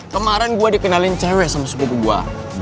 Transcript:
kemaren gue dikenalin cewek sama sepupu gue